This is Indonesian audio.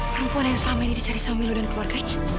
perempuan yang selama ini dicari sama keluarganya